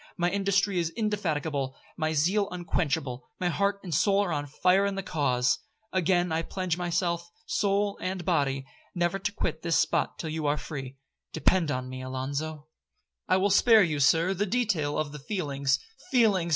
My industry is indefatigable, my zeal unquenchable, my heart and soul are on fire in the cause. Again I pledge myself, soul and body, never to quit this spot till you are free,—depend on me, Alonzo.' 1 Something between a bully and a rake. 'I will spare you, Sir, the detail of the feelings,—feelings!